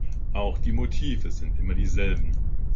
Auch die Motive sind immer dieselben.